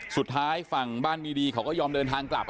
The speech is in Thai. สุดท้ายฝั่งบ้านมีดีเขาก็ยอมเดินทางกลับ